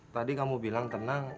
tadi kamu bilang tenang